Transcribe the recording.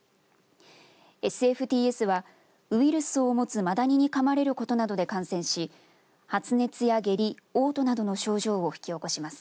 ＳＦＴＳはウイルスを持つマダニにかまれることなどで感染し発熱や下痢、おう吐などの症状を引き起こします。